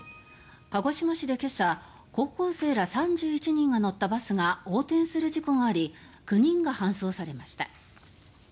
鹿児島市で今朝高校生ら３１人が乗ったバスが横転する事故があり９人が搬送されました。